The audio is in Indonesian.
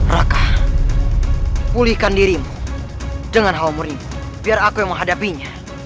raka pulihkan dirimu dengan hawa murimu biar aku yang menghadapinya